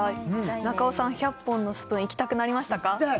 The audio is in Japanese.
中尾さん１００本のスプーン行きたくなりましたか行きたい！